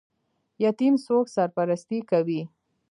یتیم څوک سرپرستي کوي؟